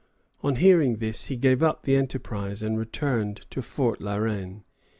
On hearing this he gave up the enterprise, and returned to Fort La Reine.